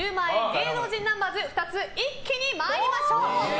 芸能人ナンバーズ２つ一気に参りましょう！